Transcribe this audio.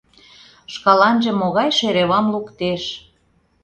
Шкаланже могай шеревам луктеш...